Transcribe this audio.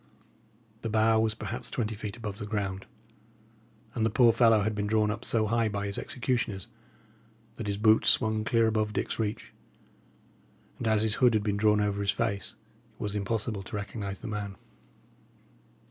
The bough was perhaps twenty feet above the ground, and the poor fellow had been drawn up so high by his executioners that his boots swung clear above Dick's reach; and as his hood had been drawn over his face, it was impossible to recognise the man.